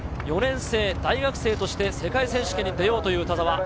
４年生、大学生として世界選手権に出ようという田澤。